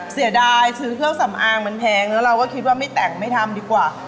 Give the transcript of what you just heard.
เสียดายซื้อเครื่องสำอางมันแพงแล้วเราก็คิดว่าไม่แต่งไม่ทำดีกว่า